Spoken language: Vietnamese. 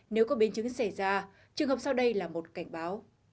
nếu có biến chứng xảy ra trường hợp sau đây là một cảnh báo